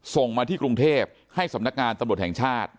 ส่งมาที่กรุงเทพให้สำนักงานตำรวจแห่งชาติ